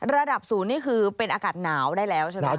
ระดับศูนย์นี่คือเป็นอากาศหนาวได้แล้วใช่ไหมค